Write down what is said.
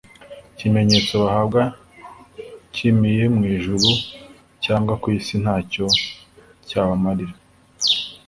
Ikimenyetso bahabwa kimiye mu ijuru cyangwa ku isi ntacyo cyabamarira.